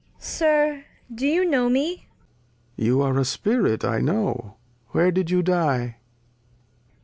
Sir, do you know me ? Lear. You are a Spirit, I know ; where did you die